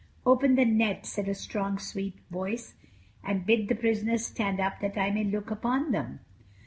"Open the net," said a strong, sweet voice, "and bid the prisoners stand up that I may look upon them."